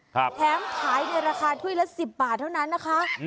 แถมขายในราคาถ้วยละสิบบาทเท่านั้นนะคะ